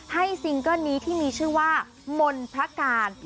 ให้ซิงเกอร์นี้ที่มีชื่อว่ามนทรการ